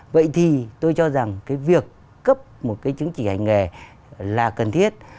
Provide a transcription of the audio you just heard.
vậy thì tôi cho rằng cái việc cấp một cái chứng chỉ hành nghề là cần thiết